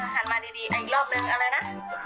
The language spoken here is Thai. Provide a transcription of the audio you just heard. หันมาดีอีกรอบนึงอะไรนะ